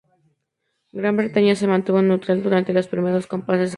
Gran Bretaña se mantuvo neutral durante los primeros compases de la contienda.